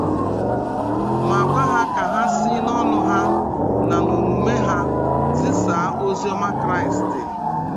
ma gwa ha ka ha si n'ọnụ ha na n'omume ha zisàá oziọma Kraistị.